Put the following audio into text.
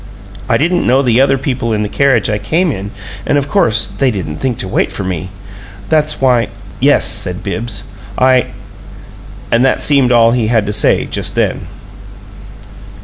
I didn't know the other people in the carriage I came in, and of course they didn't think to wait for me. That's why " "Yes," said Bibbs, "I " And that seemed all he had to say just then.